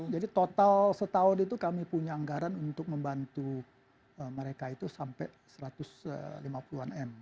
jadi total setahun itu kami punya anggaran untuk membantu mereka itu sampai satu ratus lima puluh an m